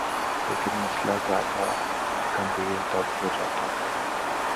لیکن مسئلہ زیادہ گمبھیر تب ہو جاتا ہے۔